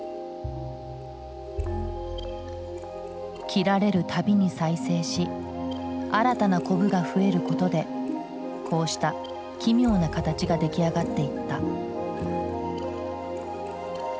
切られるたびに再生し新たなコブが増えることでこうした奇妙な形が出来上がっていった。